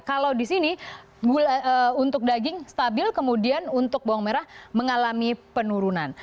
kalau di sini untuk daging stabil kemudian untuk bawang merah mengalami penurunan